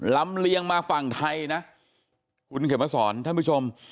ลำเลียงมาฝั่งไทยนะคุณเขียนมาสอนท่านผู้ชม